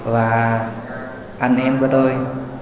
và anh em của tôi